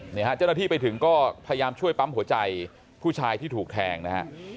เจ้าหน้าที่ไปถึงก็พยายามช่วยปั๊มหัวใจผู้ชายที่ถูกแทงนะฮะ